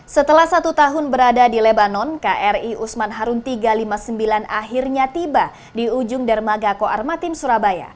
setelah satu tahun berada di lebanon kri usman harun tiga ratus lima puluh sembilan akhirnya tiba di ujung dermaga koarmatim surabaya